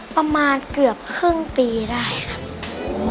ประมาณเกือบครึ่งปีได้ครับ